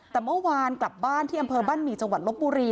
แต่เมื่อวานกลับบ้านที่อำเภอบ้านหมี่จังหวัดลบบุรี